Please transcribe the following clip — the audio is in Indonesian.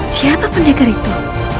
siapa pendekar itu